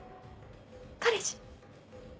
彼氏。